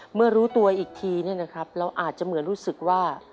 เมื่อรู้ตัวอีกทีเนี่ยนะครับเราอาจจะเหมือนรู้สึกว่า